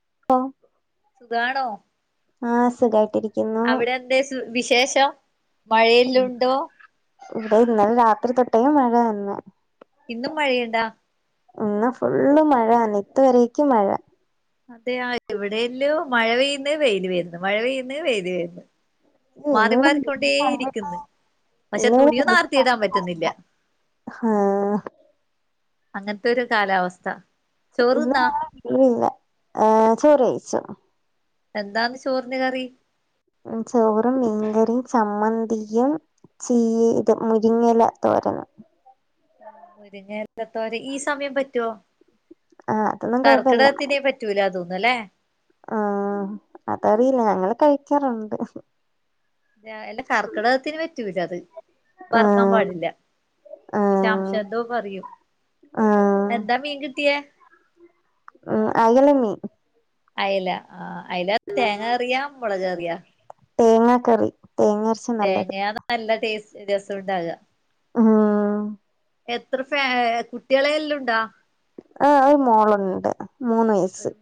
[unintelligible] സുഖാണോ ആ സുഖായിട്ടിരിക്കുന്നു അവിടെ എന്തേ വിശേഷം മഴയിലുണ്ടോ ഉണ്ട് ഇന്നലെ രാത്രി തൊട്ടേ മഴ വന്ന്. ഇന്നും മഴയ്ണ്ടാ ഇന്ന് ഫുള്ള് മഴാണ് ഇത് വരേക്കും മഴ. അതെയ. ഇവിടെയല്ലോ മഴ പെയ്യുന്ന് വെയില് വര്ന്നു മഴ പെയ്യുന്ന് വെയില് വര്ന്നു. മാറി ഇന്നിവിടെ മാറിക്കൊണ്ടേ ഇരിക്കുന്നു. പക്ഷെ ഇന്നിവിടെ തുണിയന്നുആർത്തിയിടാൻ പറ്റുന്നില്ല. ഹാ അങ്ങൻത്തെരു കാലാവസ്ഥ. ഇന്ന് ചോറുന്നാ [unintelligible] ഏ ചോറഴ്ച്ചു. എന്താന്ന് ചോറ്ന് കറി ചോറും മീൻകറിം ചമ്മന്തിയും. ചീ ഇത് മുരിങ്ങല തോരന്. മുരിങ്ങലത്തോരൻ ഈ സമയം പറ്റൊ ആഹ് അതൊന്നും കൊഴപ്പല്ല കർക്കിടകത്തിനെ പറ്റ- പറ്റൂലാ തോന്നുന്നു അല്ലേ ആഹ് അതറീല്ല ഞങ്ങള് കഴിക്കാറുണ്ട്. അല്ല. കർക്കിടകത്തിന് പറ്റൂല അത്. പ്പർക്കാൻ ആഹ് പാടില്ല. ആഹ് വിഷാംശം എന്തോ പറയും. ആഹ് എന്താ മീൻ കിട്ടിയേ ഉം അയല മീൻ അയല ആഹ് അയല തേങ്ങ കറിയാ മുളക് കറിയാ തേങ്ങാ കറി. തേങ്ങരച് തേങ്ങയാണ് നല്ല ടേസ്റ്റ് രസം ഉണ്ടാക. മ്ഹും എത്ര ഫാ കുട്ടികള് എല്ലോ ഉണ്ടോ? ആഹ് ഒരു മോളോണ്ട്. മൂന്ന് വയ ഒരു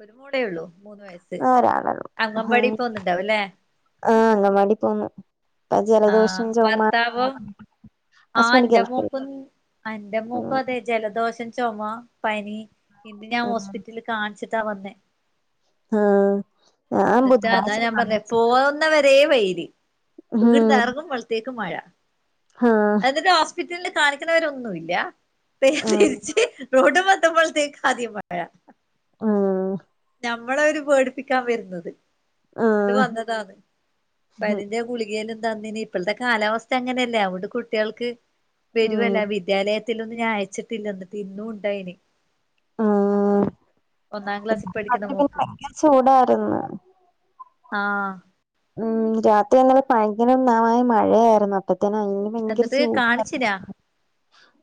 ഒരു മോളെ ഉള്ളൂ. മൂന്ന് വയസ്സ്. ഒരാളൊള്ളു അങ്കവാടി പോന്നുണ്ടാവുംല്ലേ? ആഹ് അങ്കവാടി പോന്നു. ഇപ്പ ജലദോഷം ആഹ് ചുമ ഭർത്താവോ ആഹ് ഹസ്ബൻഡ് ന്റെ ഗൾഫിൽ മോക്കും അന്റെ മോക്കും ഉം അതെ ജലദോഷം, ചൊമ, പനി ഇന്ന് ഞാൻ ഉം ഹോസ്പിറ്റലി കാണിച്ചിട്ടാ വന്നേ. ആ ഞാൻ എന്നിട്ടാ അതാ ബുധനാഴ്ച ഞാൻ പറഞ്ഞേ കാണിച്ചു. പോന്ന വരെ വെയിര്. ഇവിട്ന്ന് ഉം എറങ്ങുമ്പളത്തേക്കും മഴ. ആ എന്നിട്ട് ഹോസ്പിറ്റലില് കാണിക്കണവരെ ഒന്നും ഇല്ല. ഉം തിരിച്ച് റോഡ്മേ ത്തുമ്പോളത്തേക്ക് ആദ്യം മഴ. ആഹ് നമ്മളെ അവര് പേടിപ്പിക്കാൻ വരുന്നത്. എന്നിട്ട് ഉം വന്നതാന്ന്. പനീന്റേം ഗുളികേനെ തന്നിനി. ഇപ്പളത്തെ കാലാവസ്ഥ അങ്ങനെയല്ലേ? അതൊണ്ട് കുട്ടികൾക്ക് വരുവല്ലാ ഉം വിദ്യാലയ ത്തിലൊന്നും ഞാൻ അയച്ചിട്ടില്ലന്ന്‌ ഇന്നും ഉണ്ടായ്നി. ഒന്നാം ക്ലാസി അതി പിന്നെ ഭയങ്കര ചൂടാരുന്ന്. ആഹ് ഉം രാത്രി ഇന്നലെ പയങ്കരമാമായ മഴയാരുന്നു, അപ്പഴത്തേന് അയിന് ഭയങ്കര എന്നിട്ട് ചൂടാരുന്ന്, കാണിച്ചിനാ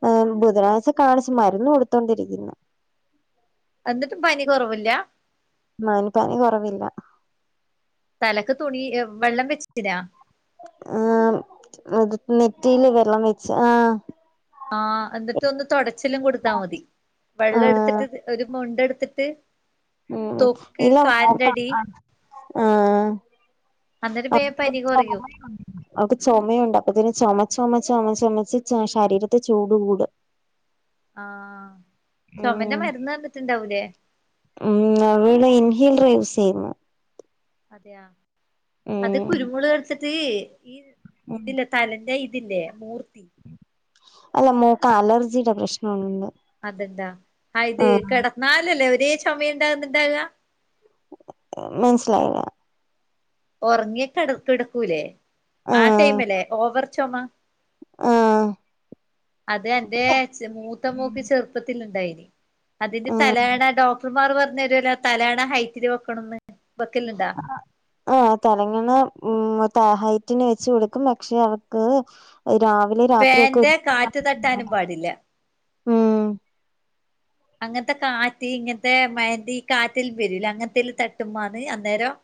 ആഹ് ബുധനാഴ്ച കാണിച്ച് മരുന്ന് കൊടുത്തോണ്ടിരിക്കുന്ന്‌. എന്നിട്ടും പനി കൊറവില്ല. മാന് പനി കൊറവില്ല. തലക്ക് തുണി വെള്ളം വെച്ചേക്കിനാ? ആഹ് അത് നെറ്റീല് വെള്ളം വെച്ച് ആഹ് ആഹ് എന്നിട്ട് ഒന്ന് തൊടച് ചിലും കൊടുത്താ മതി, വെള്ളം ആഹ് എടുത്തിട്ട് ഒരു മുണ്ടെടുത്തിട്ട് ഉം ഇല്ല മോക്ക ആഹ് അന്നേരം വേഗം പനി കുറയും [unintelligible] അവക്ക് ചൊമയൊണ്ട്, അപ്പഴത്തേന് ചൊമച്ച് ചൊമച്ച് ചൊമച്ച് ചൊമച്ച് ശരീരത്തീ ചൂട് കൂടും. ആഹ് ചൊമേന്റെ ഉം മരുന്ന് തന്നിട്ടുണ്ടാവൂലേ? ഉം അവിള് ഇൻഹേലറ് യൂസ് ചെയ്യുന്നു. അതെയാ, അത് ഉം കുരുമുളക് എടുത്തിട്ട് ഈ ഉം ഇതില് തലേന്റെ ഇതില്ലേ മൂർദ്ധി അല്ല മോക്ക് അലർജിയുടെ പ്രശ്നോണ്ട്. അത്ണ്ടാ, ആഹ് ഇത് കെടന്നാലല്ലേ ഒരേ ചൊമ ഉണ്ടാകുന്നുണ്ടാകുക? മനസ്സിലായില്ല. ഒറങ്ങി കെട കെടക്കൂലേ ആ ആഹ് ടൈമല്ലേ ഓവർ ചൊമ? ആഹ് അത് അന്റെ മൂത്തമോക്ക് ചെറുപ്പത്തിലുണ്ടായിന്. അതിതി ആഹ് തലയാണ ഡോക്ടർമാർ പറഞ്ഞു തരൂലോ തലയാണ ഹൈറ്റില് വെക്കണംന്ന് വെക്കലുണ്ടാ? ആഹ് തലങ്ങണ ഉം ഹൈറ്റിന് വെച്ച് കൊടുക്കും, പക്ഷെ അവക്ക് രാവിലേം രാത്രിയൊക്കെ ഫാന്റെ കാറ്റ് തട്ടാനും പാടില്ല [inaudible] ഉം അങ്ങനത്തെ കാറ്റ് ഇങ്ങനത്തെ [unintelligible] ഈ കാറ്റിൽ വരൂലേ? അങ്ങനത്തേതിൽ തട്ടുമ്മാണ് അന്നേരം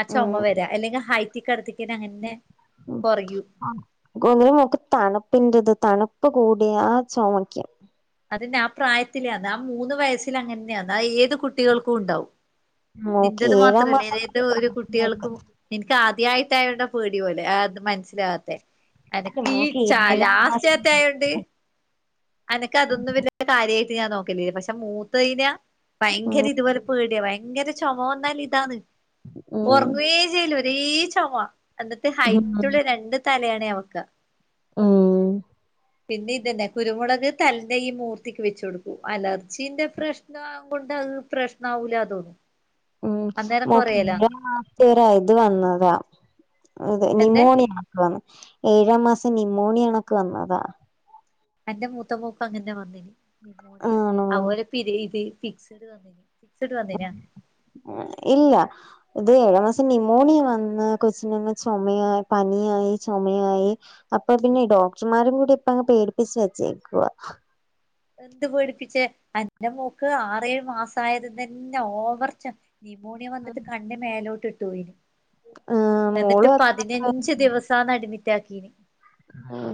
ആ ഉം ചൊമ വരാ, അല്ലെങ്കിൽ ഹൈറ്റി കെടത്തിക്കി അങ്ങനെ. ഉം കുറയൂല ആഹ് [unintelligible] ങ്കിലും തണുപ്പിന്റത് തണുപ്പ് കൂടിയാ ചൊമക്കും. അതന്നെ, ആ പ്രായത്തിലെയാന്ന്‌, ആ മൂന്ന് വയസ്സിൽ അങ്ങനെതന്നെയാ ആ ഏത് കുട്ടികൾക്കും ഉണ്ടാവും. മോക്ക് നിന്തത് ഏഴാം മാത്രല്ലേ മാസം ഏതത് ഒരു കുട്ടികൾക്കും. എനിക്ക് ആദ്യയിട്ടായ ണ്ടേ പേടി പോലെ അത് മനസ്സിലാവാത്തെ. അല്ല എനക്ക് ഈ മോക്ക് ഏഴാം മാസം ചാലാശചാത് ആയോണ്ട്. എനക്ക് അതൊന്നും വല കാര്യമായിട്ട് ഞാൻ നോക്കല പക്ഷെ മൂത്തയിന. ഉം ഭയങ്കര ഇതുപോലെ പേടിയാ ഭയങ്കര ചുമ വന്നാൽ ഇതാണ് ഉം ഉറങ്ങേ ചെയ്ല. അതചുമ അനിട്ട്ഹൈറ്റ് ഉം ഉള്ള രണ്ട് തലയാണ വെക്ക ഓം പിന്നെ ഇതന്നെ കുരുമുളക് തലിന്റെ ഈ മൂർത്തിക്ക് വെച്ച കൊടുക്കു അലർജിന്റെ പ്രശ്നം. ഇ കൊണ്ട് അത് പ്രശ്ന ആവൂല തോന്നും. ഉം അന്നേരം കൊറയലാണ് മോക്ക് ഇത് വന്നതാ അത് എന്റെ നിമോണിയ. ഏഴാം മാസം നിമോണിയ ആണൊക്കെ വന്നതാ. എന്റെ മൂത്ത മൂപ്പ് അങ്ങനെ വന്നിന്മോണിയ ആണോ അപോലെ ഇ ഫക്ഡ് വന്നിന്. ഫിസിക്സ്ട് വനി ന ഉ ഇല്ല. ഇത് ഏഴാമാസം ന്യമോണിയ വന്ന് കൊച്ചിന ചുമയായി പനിയായി ചുമയായി. അപ്പൊ പിന്നെ ഡോക്ടർമാരും കൂടി ഇപ്പ അങ്ങ് പേടിപ്പിച്ച് വെച്ചേക്കുവ. എന്ത് പേടിപ്പിച്ചേ അന്റെ മോക്ക് ആറേഴ് മാസ ആയത് തനെഓവർച്ച. ന്യൂമോണിയ വന്നിട്ട് കണ് മേലോട്ട് ഇട്ടുയിന് ആഹ് എന്നിട്ട് മോളും അതേകണക്ക് പതിനഞ്ച് ദിവസം. സാ അടി മിറ്റാക്കിനി. ഉ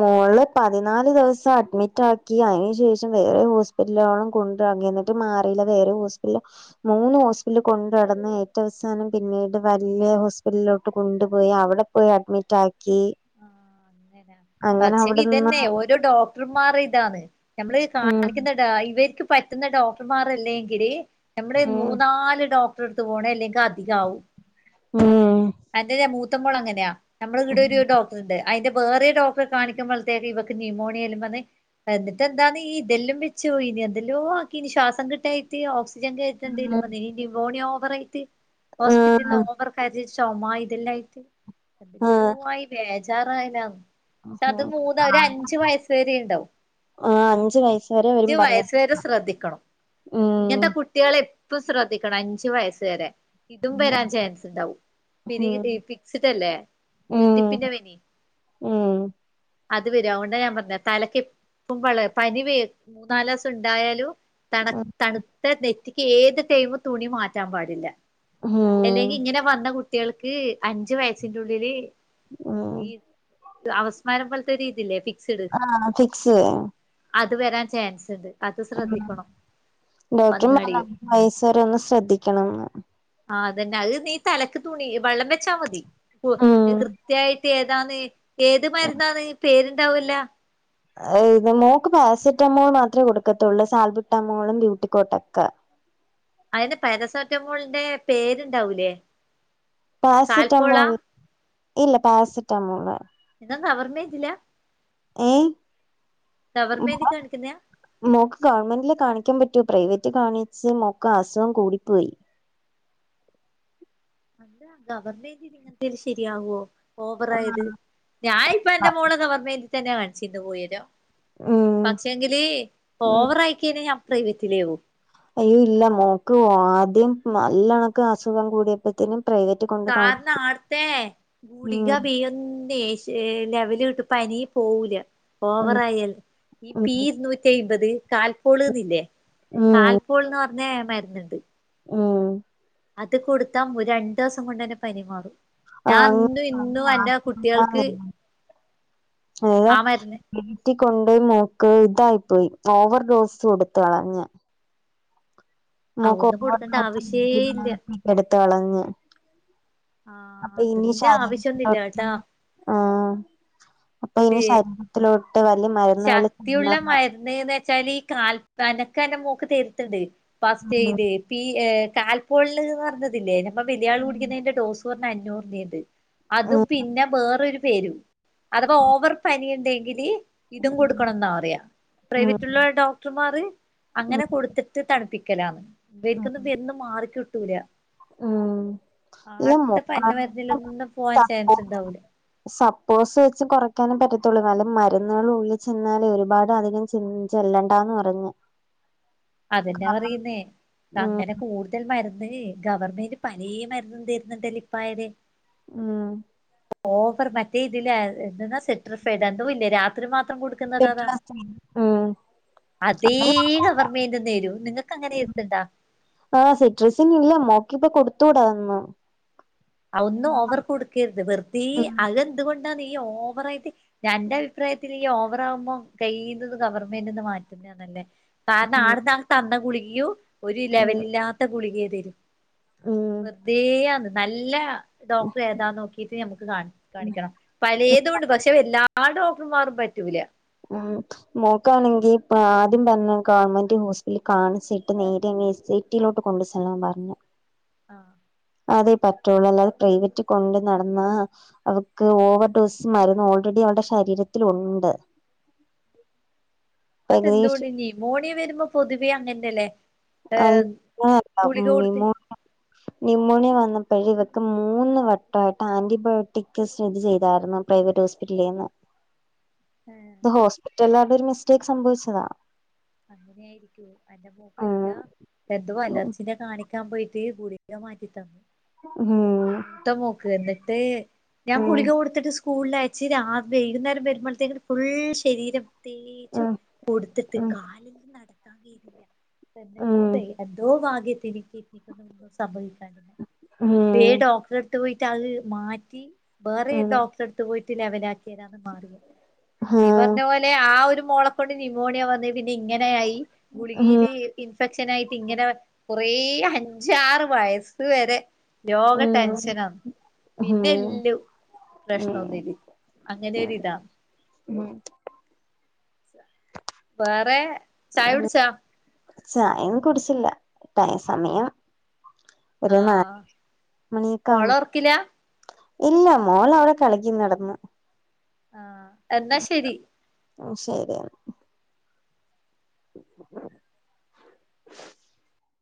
മോള് പതിനാല് ദിവസം അഡ്മിറ്റാക്കി അതിനന് ശേഷം വേറെഹോ.. എ ല്ലോണം കൊണ്ട് ന്നിട്ടും മാറിയില്ല വേറെ ഹോസ്പിറ്റല.. മൂന്ന് ഹോസ്പിറ്റൽ കൊണ്ട നടന്ന് ഏറ്റ അവസാനം പിന്നീട് വലിയ ഹോസ്പിറ്റലിലോട്ട് കൊണ്ടുപോയി അവിടെ.. പോയ്‌ അഡ്മിറ്റാക്കി. പക്ഷെ ങ്കി നിന്ന് ഇതന്നെ ഓരോ ഡോക്.. ഡോക്ടർമാർ ഇതാണ് നമ്മള് ഉം കാണിക്കുന്ന ഇവർക്ക് പറ്റുന്ന ഡോക്ടർമാർല്ലെങ്കില്. നമ്മള് ഉം മൂന്നാല് ഡോക്ടർടുത്ത് പോണെ അല്ലെങ്കിൽ അധികാവും. മം അന്റെ മൂത്തമോള ങ്ങനെയാ നമ്മള് ഇവിടെ ഒരു ഡോക്ടർുണ്ട്.. അതിന്റെ വേറെ ഡോക്ടറെ കാണിക്കുമ്പോഴത്തേക്ക് ഇവക്ക് ന്യമോണിയാലും പറെ എന്നിട്ട് എന്താണ് ഇതെല്ലാം വെച്ചു ഇനി എന്തെലോ ആക്കി ഇനി ശ്വാസം കിട്ടായ്.. തി ഓക്സിജൻത് ണ്ടേലും ആഹ് നിമോണിയ ഓവർ ആയിട്ട് ഹോസ്പിറ്റലി ആഹ് ഓവർഫർ.. ചുമ ഇതെല്ലായിട്ട് എല്ലൂ ആഹ് ആയി ബേജാറയാല്ലെന്ന്.. പക്ഷ അത് മൂന്നാ ഒരഅഞ്ചു വയസ് വരെയ ഉണ്ടാവും. ആഹ് അഞ്ച് വയസ് വരെ വരും അഞ്ചു പറഞ്ഞു വയസ വരെ ശ്രദ്ധിക്കണം ഉം ഇങ്ങനത്തെ കുട്ട.. കുട്ടികളെ എപ്പം ശ്രദ്ധിക്കണം അഞ്ചു വയസ് വരെ ഇതും വരാൻ ചാൻസ് ഉണ്ടാവും. പിരി ഉം പിക്സിടല്ലേ ഉം ഞ്ഞെട്ടിപ്പിന്റെപ നി. ഉം അത് വര അുകൊണ്ട ഞാൻ പറഞ്ഞ തലക്ക് ഇപ്പം വള പനി വേ മൂന്നാല് ദിവസം ഉണ്ടായാലും.. തണു തണുത്ത നെറ്റിക്ക് ഏത് ടൈവും തുണി മാറ്റാൻ പാടില്ല. ഹും അല്ലെങ്കി ഇങ്ങനെ വന്ന കുട്ടികൾക്ക് അഞ്ചു വയസിന്റെ ഉള്ളില് ഉം ഈ.. അവസ്മാരം പോലത്തെ രീതില്ലേ.. ആഹ ഫിക്സ്. അത് വരാൻ ചാൻസ് ഉണ്ട് അത് ശ്രദ്ധിക്കണം വന്ന് കളിയും. വയസ്സ വരെ ഒന്ന് ശ്രദ്ധിക്കണംന്ന്. ആതന്നെ അത് നീ തലയ്ക്ക് തുണി വെള്ളം ച്ചാ മതി ഉം കൃത്യായിട്ട് ഏതാന്ന് ഏത് മരുന്നന്ന് പേരുണ്ടാവൂല്ല.. ഇത് മോക്ക് പാരസെറ്റാമോൾ മാത്രമേ കൊടുക്കത്തുള്ളൂ സാൽബുറ്റാമോളും ബ്യൂട്ടിക്കോട്ടക്കെ.. അതിന് പാരസെറ്റമോളിന്റെ പേരുണ്ടാവൂലേ. കാൽപോള പാരസിറ്റമോൾ ഇല്ല പാരസറ്റമോൾ ഇതും നും അവർമ്മച്ചില്ല.. ഏഹ.. തവർമേന്റി കാണിക്കുന്നയാ.. മോക്ക് ഗവൺമെന്റില് കാണിക്കാൻ പറ്റോ പ്രൈവറ്റ് കാണിച്ച് മോക്ക് അസുഖം കൂടിപ്പോയി. അന്താ ഗവർമെന്റ് ഇങ്ങനത്തേും ശരിയാവുവോ ഓവറ ആയത്.. ഉം ഞാനൻ ഇപ്പ എന്റെറെ മോള ഗവർമെന്റി തന്നെ കാണിച്ചുന്ന് പോയിരോ. ഉം പക്ഷെങ്കില് ഓവറ ആയിക്കയ്ഞ്ഞ ഞാൻ പ്രൈവത്തിലേവും. അയ്യോ ഇല്ല മോക്ക് ആദ്യം നല്ലണക്ക് അസുഖം കൂടിയപ്പോത്തനും.. പ്രൈവറ്റകൊ.. കാരന് ആടുത്ത ഗുളിക ഉം ബെയ്യ.. ലെവല് കിട്ട്പ്പ പനി പോവൂല. ഉം ഓവറായൽ ഈ ഉം പി ഇരുന്നൂറ്റിമ്പത് കാൽപോളന്നില്ലേ.. ഉം കാൽപൂൾന്ന്റഞ്ഞ മരുന്നുണ്ട്. ഉം അത് കൊടുത്താ ഒരു രണ്ടു ദിവസം കൊണ്ട് ന്നെ പനി മാറും. ഞാൻ ആഹ് ഇന്നും ഇന്നും എന്റെ കുട്ടികൾക്ക്.. ഏത.. ആ മരുന്ന് വീറ്റൊണ്ട് മോക്ക് ഇതായിപ്പോയി ഓവർ ഡോസ് കൊടുത്ത കളഞ്ഞ.. ആ നമക്ക് ഓ ഒന്നും കൊടുക്കേണ്ട ആവശ്യേ [unintelligible] ഇല്ല ദിവസത്തേക്ക് എടുത്ത കളഞ്ഞ ആ അപ്പൊ ഇനി അതിന്റെ ശാരീരി ആവശ്യൊന്നുല്ല പ്രവർത്ത.. കേട്ടാ ആഹ് അപ്പൊ ഇനി ഇത് ശരീരത്തിലോട്ട് വലിയ മരുന്നുകൾ ചെന്നാ എന്നന്ന് വെച്ചാല് ഈ കാൽപ്പനൊക്കെന്നെ മോക്ക് തരട്ടണ്ട് ഫസ്റ്റ് ഉം ഇത് ഈ ഏഹ കാൽപോൾന്ന് പറഞ്ഞതില്ലേ ഞമ്മള് വലിയാള് ഉം കുടിക്കുന്നതിന്റെ ഡോസ് കൊറഞ്ഞ അഞ്ഞൂറിന്റെണ്ട് അതും ഉം പിന്നെ ബേറൊരു പേരും അതവാ ഓവർ പനിണ്ടെങ്കില് ഇതും കൊടുക്കണംന്നാ പറയാ ഉം പ്രൈവറ്റുള്ള ഡോക്ടർമാർ ഉം അങ്ങനെ കൊടുത്തിട്ട് ട്ട് തണുപ്പിക്കലാന്ന് ഉം ഇബർക്കൊന്നും ബര്ണത് മാറിക്കിട്ടൂല ഉം ഇല്ല ആട്ത്തെ പനിന്റെ മോക്കാണെങ്കി മരുന്നിലൊന്നും പോവാൻ സപ്പോസ് ചാൻസ്ണ്ടാവൂല സപ്പോസ് വെച്ച് കുറക്കാനേ പറ്റത്തുള്ളൂ നല്ല മരുന്നുകൾ ഉള്ളിൽ ചെന്നാലേ ഒരുപാട് അധികം ചിന്ത് ചെല്ലണ്ടാന്ന് പറഞ് അതെന്നെ പറയുന്നേ ഉം അങ്ങനെ കൂടുത ൽ മരുന്ന് ഗവൺമെന്റ് പലേ മരന്നും തരുന്നുണ്ടല്ലേ ഇപ്പായല് ആഹ് ഓവർ മറ്റേ ഇതില എന്തന്നാ സിട്രസൈടോ ന്തോ യില്ലേ രാത്രി മാത്രം കൊടു കൊടുക്കുന്നത് അതാ സിട്രസിൻ ഉം അതേ അത് ഗവണ്മെന്റ് [unintelligible] തരും നിങ്ങക്കങ്ങനെ എർത്തണ്ടാ ആഹ് സിട്രസിന ഇല്ല മ്മാക്കി ഇപ്പൊ കൊടുത്തൂടാന്നു അഹ ഒന്നും ഓവർ കൊടുക്കരുത് വെറുതേ ഉം അതെന്തുകൊണ്ടാണ് ഈ ഓവറായിട്ട് അന്റെ അഭിപ്രായത്തില് ഈ ഓവറാകുമ്പോം കഴിയ്യുന്നത് ഗവൺമെന്റ്ന്ന് മാറ്റുന്നാ നല്ലേ കാരണം ആട്ന്ന ആഹ തന്ന ഗുളികയോ ഒരു ഉം ലെവലില്ലാത്ത ഗുളികയെ തരും ഉം വെറുതേയാന്ന് നല്ല ഡോക്ടർ ഏതാ നോക്കീട്ട് നമുക്ക് ഉം കാണിക്കണം പലേതുണ്ട് പക്ഷെ എല്ലാ ല്ലാ ഡോക്ടർമാരും പറ്റൂല ഉം മോക്കാണെങ്കി പ്പ ആദ്യം പറഞ്ഞ ഗവൺമെന്റ് ഹോസ്പിറ്റലിൽ കാണിച്ചിട്ട് നേരെ [unintelligible] ട്ടിലോട്ട് കൊണ്ട് ചെല്ലാൻ പറഞ് ആഹ് അതെ പറ്റുള്ളൂ അല്ലാതെ പ്രൈവറ്റ് കൊണ്ട് നടന്നാ അവക്ക് ഓവർ ഡോസ് മര്ന്ന് ഓൾറെഡി അവളുടെ ശരീരത്തിലുണ്ട് അതെന്തുകൊണ്ടീ ഏകദേശം ന്യുമോണിയെ വരുമ്പോ പൊതുവെ അങ്ങനെയല്ലേ ഏഹ് ഗുളിക കൊടുത്തി ന്യൂമോണിയ വന്നപ്പഴേ ഇവക്ക് മൂന്ന് വട്ടവായിട്ട് ആന്റിബയോട്ടിക് സ്ഥിതി ചെയ്തായിരുന്നു പ്രൈവറ്റ് ഹോസ്പിറ്റലീന്ന് ഏഹ് ഹോസ്പിറ്റലാരുടെ ഒരു മിസ്റ്റേക്ക് സംഭവിച്ചതാ. അങ്ങനെയായിരിക്കും എന്റെ മോക്കൊരിക്ക ഉം എന്തോ അലർജിനെ കാണി ക്കാൻ പോയിട്ട് ഗുളിക മാറ്റി തന്ന്. ഉം ത്ത മോക്ക് എന്നിട്ട് ഞാൻ ഗുളിക ഉം കൊടു ത്തിട്ട് സ്കൂളിൽ അയച്ച് രാ വൈകുന്നേരം വരുമ്പോളത്തേക്കും ഫുൾ ശരീരം തേച്ചും ഉം പൊടുത്തിട്ട് ഉം കാലിനൊന്നും നടക്കാൻ കയ്യുന്നില്ല. ഉം എന്നിട്ട് എന്തോ ഭാഗ്യത്തിന് കിഡ്നിക്കൊന്നും സംഭവിക്കാണ്ടിന്നെ. ഉം ഈ ഉം ഡോക്ടറെടുത്ത് പോയിട്ട് അത് മാറ്റി വേറെ ഡോക്ടറെടുത്ത് പോയിട്ട് ലെവലാക്കി യേരാണ് മാറിയെ നീ പറഞ്ഞ പോലെ ആ ഒരു മോളക്കൊണ്ട് ന്യുമോണിയ വന്ന് പിന്നെ ഇങ്ങനെയായി ഗുളികയില് ഇൻഫെക്ഷൻ ആയിട്ട് ഇങ്ങനെ കുറെ അഞ്ചാറ് വയസ്സ് വരെ ലോക ടെൻഷനാന്ന്. ഉം പിന്നെല്ലും പ്രശ്നം ഒന്നും ഇതില്ല അങ്ങനൊരിതാണ്. ഉം വേറെ ചായുടിച്ചാ? ചായന്നും കുടിച്ചില്ല ടൈ സമയം ഒരു നാല് ആഹ് മണിയൊക്കെ മോളെ ആമ്പോ ഒറക്കിലാ ഇല്ല മോള് അവിടെ കളിക്കും കെടന്ന്. ആഹ് എന്നാ ശരി. ആഹ് ശരി. [unintelligible]